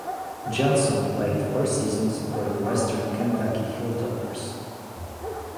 Johnson played four seasons for the Western Kentucky Hilltoppers.